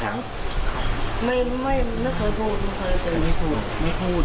ไม่ไม่เคยพูด